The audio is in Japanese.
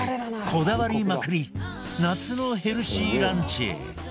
こだわりまくり夏のヘルシーランチ